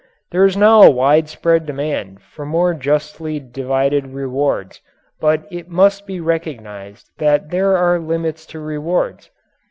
There is now a widespread demand for more justly divided rewards, but it must be recognized that there are limits to rewards.